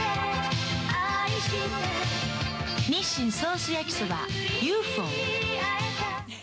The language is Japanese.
日清ソース焼そばＵ．Ｆ．Ｏ．。